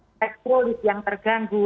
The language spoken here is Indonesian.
elektrolit yang terganggu